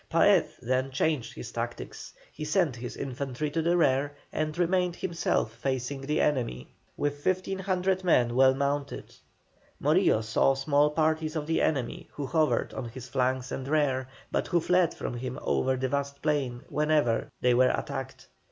Paez then changed his tactics: he sent his infantry to the rear, and remained himself facing the enemy, with 1,500 men well mounted. Morillo saw small parties of the enemy, who hovered on his flanks and rear, but who fled from him over the vast plain whenever they were attacked.